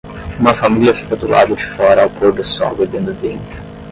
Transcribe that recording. Uma família fica do lado de fora ao pôr do sol bebendo vinho